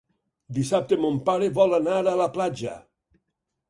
Dissabte mon pare vol anar a la platja.